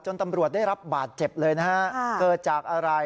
ตำรวจได้รับบาดเจ็บเลยนะฮะเกิดจากอะไร